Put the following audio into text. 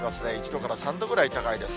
１度から３度ぐらい高いです。